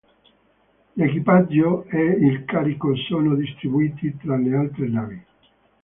L'equipaggio e il carico sono distribuiti tra le altre navi.